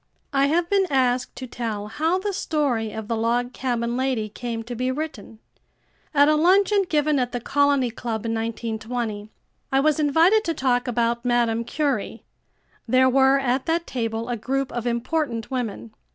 I have been asked to tell how the story of The Log Cabin Lady came to be written. At a luncheon given at the Colony Club in 1920, I was invited to talk about Madame Curie. There were, at that table, a group of important women.